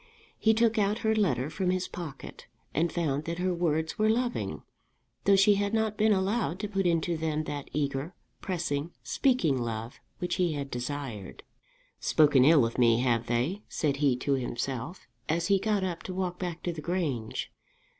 He took out her letter from his pocket, and found that her words were loving, though she had not been allowed to put into them that eager, pressing, speaking love which he had desired. "Spoken ill of me, have they?" said he to himself, as he got up to walk back to the Grange.